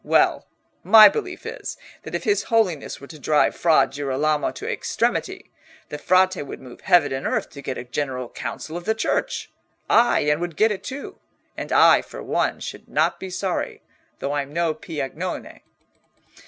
Well, my belief is, that if his Holiness were to drive Fra Girolamo to extremity, the Frate would move heaven and earth to get a General Council of the Church—ay, and would get it too; and I, for one, should not be sorry, though I'm no Piagnone."